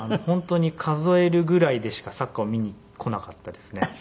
本当に数えるぐらいでしかサッカーを見にこなかったですね。